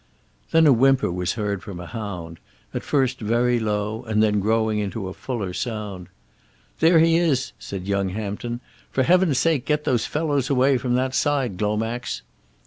Then a whimper was heard from a hound, at first very low, and then growing into a fuller sound. "There he is," said young Hampton. "For heaven's sake get those fellows away from that side, Glomax."